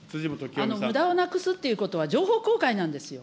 むだをなくすっていうことは、情報公開なんですよ。